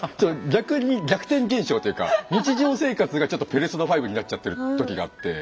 逆に逆転現象というか日常生活がちょっと「ペルソナ５」になっちゃってる時があって。